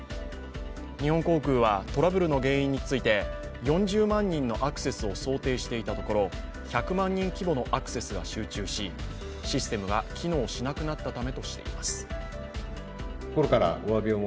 日本航空はトラブルの原因について４０万人のアクセスを想定していたところ１００万人規模のアクセスが集中しシステムが機能しなくなったためとしています。